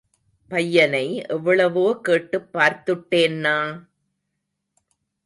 பையனை எவ்வளவோ கேட்டுப் பார்த்துட்டேன்னா!...